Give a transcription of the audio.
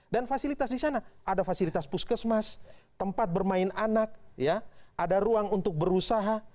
fasilitas di sana ada fasilitas puskesmas tempat bermain anak ada ruang untuk berusaha